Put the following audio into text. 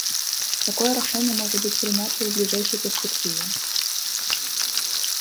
Такое рашэнне можа быць прынятае ў бліжэйшай перспектыве.